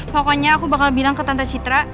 pokoknya aku bakal bilang ke tante citra